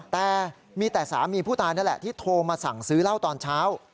แต่มีแต่สามีผู้ตายนั่นแหละที่โทรมาสั่งซื้อเหล้าตอนเช้า